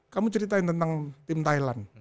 kamu ceritain tentang tim thailand